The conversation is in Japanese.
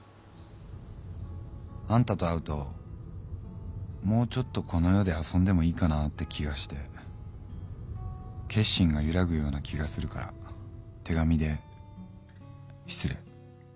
あんたと会うともうちょっとこの世で遊んでもいいかなって気がして決心が揺らぐような気がするから手紙で失礼。